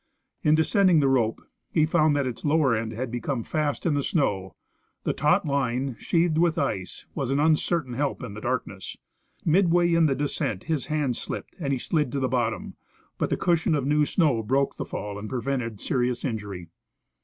In descending the rope, he found that its lower end had become fast in the snow. The taut line, sheathed with ice, was an un certain help in the darkness. Midway in the descent his hands slipped and he slid to the bottom ; but the cushion of new snow broke the fall and prevented serious injury.